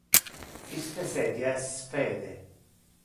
Iste sedia es fede.